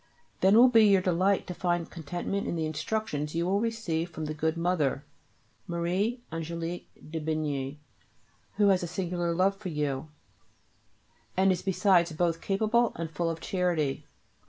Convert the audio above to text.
Then will it be your delight to find contentment in the instructions you will receive from the good Mother (Marie Angélique de Bigny), who has a singular love for you, and is besides both capable and full of charity.